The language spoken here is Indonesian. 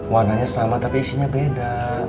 warnanya sama tapi isinya beda